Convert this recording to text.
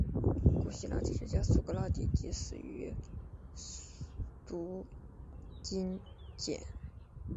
古希腊哲学家苏格拉底即死于毒芹碱。